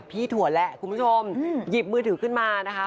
ถั่วแหละคุณผู้ชมหยิบมือถือขึ้นมานะคะ